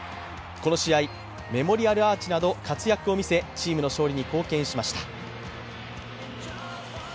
この試合メモリアルアーチなど活躍を見せ、チームの勝利に貢献しました。